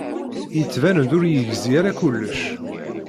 Yettban-d ur yegzi ara kullec.